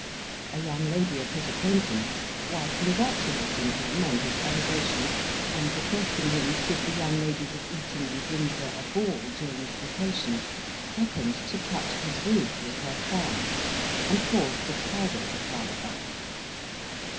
A young lady of his acquaintance, while congratulating him on his elevation, and requesting him to give the young ladies of Eton and Windsor a ball during the vacation, happened to touch his wig with her fan, and caused the powder to fly about.